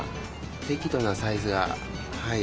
適度なサイズがはい。